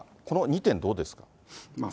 この２点、どうですか。